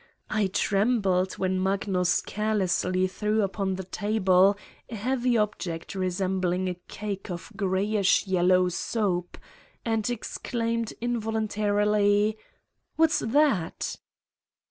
... I trembled when Magnus carelessly threw upon the table a heavy object resembling a cake of grayish yellow soap, and exclaimed invol untarily : "What's that?"